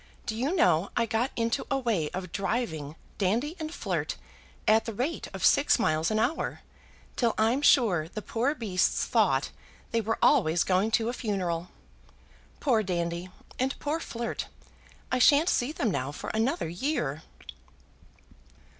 Do you know I got into a way of driving Dandy and Flirt at the rate of six miles an hour, till I'm sure the poor beasts thought they were always going to a funeral. Poor Dandy and poor Flirt! I shan't see them now for another year."